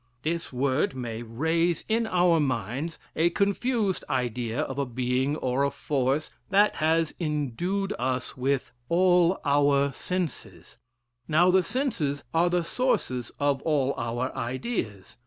This word may raise in our minds a confused idea of a being or a force that has endued us with all our senses: now the senses are the sources of all our ideas.